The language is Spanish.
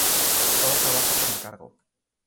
Sólo trabaja por encargo.